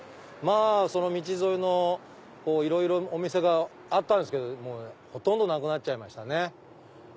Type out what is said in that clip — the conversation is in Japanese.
まぁその道沿いのいろいろお店があったけどほとんどなくなっちゃいましたね。